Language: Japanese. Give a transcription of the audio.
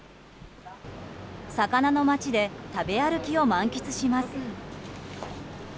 魚の街で食べ歩きを満喫します。